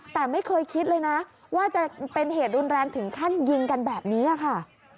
แต่ไม่เคยคิดเลยนะว่าจะเป็นเหตุรุนแรงถึงขั้นยิงกันแบบนี้ค่ะ